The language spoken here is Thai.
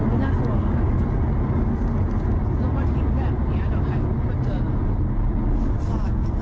ก็มาทิ้งแบบเนี้ยแต่ว่าใครคุณมาเจอ